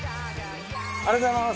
ありがとうございます。